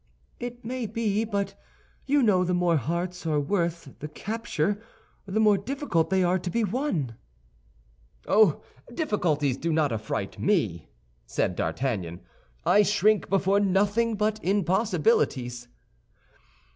"It may be; but you know the more hearts are worth the capture, the more difficult they are to be won." "Oh, difficulties do not affright me," said D'Artagnan. "I shrink before nothing but impossibilities."